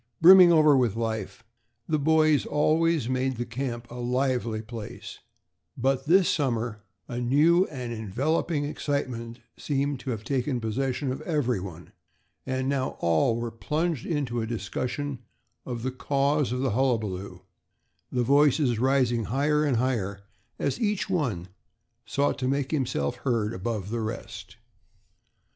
Brimming over with life, the boys always made the camp a lively place; but this summer a new and enveloping excitement seemed to have taken possession of everyone, and now all were plunged into a discussion of the cause of the hullabaloo, the voices rising higher and higher as each one sought to make himself heard above the rest.